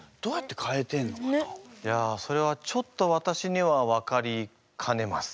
いやそれはちょっとわたしには分かりかねます。